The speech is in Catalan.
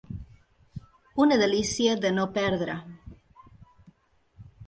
Una delícia de no perdre.